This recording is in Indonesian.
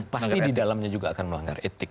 pasti di dalamnya juga akan melanggar etik